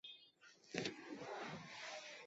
তোমার সাথে তো নয়ই।